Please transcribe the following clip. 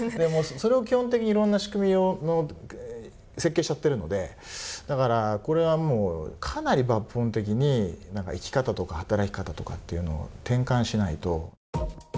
それを基本的にいろんな仕組みの設計しちゃってるのでだから、これはもうかなり抜本的に生き方とか働き方とかっていうのを転換しないと。